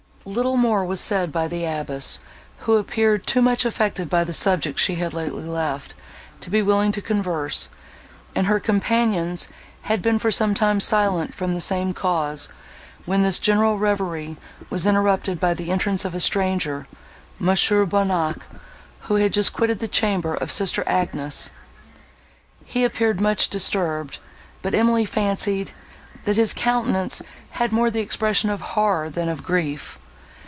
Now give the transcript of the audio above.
Little more was said by the abbess, who appeared too much affected by the subject she had lately left, to be willing to converse, and her companions had been for some time silent from the same cause, when this general reverie was interrupted by the entrance of a stranger, Monsieur Bonnac, who had just quitted the chamber of sister Agnes. He appeared much disturbed, but Emily fancied, that his countenance had more the expression of horror, than of grief.